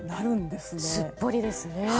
すっぽりですね。